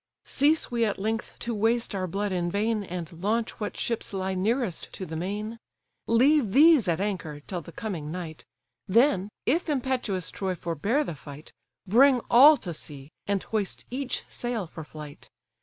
Cease we at length to waste our blood in vain, And launch what ships lie nearest to the main; Leave these at anchor, till the coming night: Then, if impetuous Troy forbear the fight, Bring all to sea, and hoist each sail for flight.